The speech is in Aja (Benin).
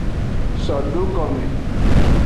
So do gome.